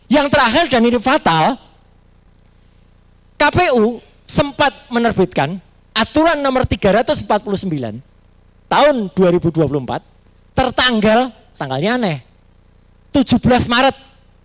yang terakhir dan ini fatal kpu sempat menerbitkan aturan nomor tiga ratus empat puluh sembilan tahun dua ribu dua puluh empat tertanggal tanggalnya aneh tujuh belas maret dua ribu dua puluh